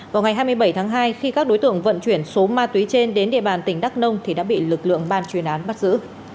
vào ngày hai mươi bảy tháng hai khi các đối tượng vận chuyển số ma túy trên đến địa bàn tỉnh đắk nông thì đã bị lực lượng ban chuyên án bắt giữ